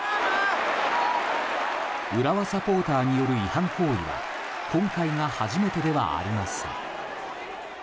浦和サポーターによる違反行為は今回が初めてではありません。